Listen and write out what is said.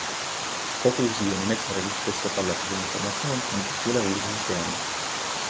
Kogu siiani metsaregistrisse talletatud informatsioon kantakse üle uude süsteemi.